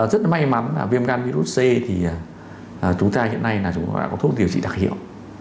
rất may mắn là viêm gan virus c thì chúng ta hiện nay là chúng ta đã có thuốc điều trị đặc hiệu